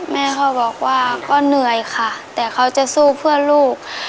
แม่เขาบอกว่าก็เหนื่อยค่ะแต่เขาจะสู้เพื่อลูก